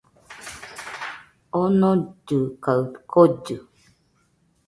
Omollɨ kaɨ kollɨ